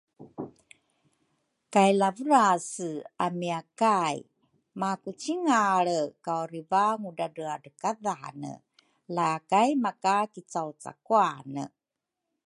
kay Lavurase amiyakay makucingalre kawriva Ngudradrekadhane la kai makakicawcakuane.